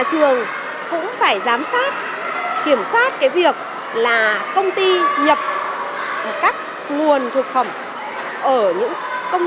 trường cũng phải giám sát kiểm soát cái việc là công ty nhập các nguồn thực phẩm ở những công